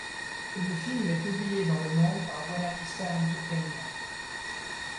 Le film est publié dans le monde par Buena Vista Entertainment.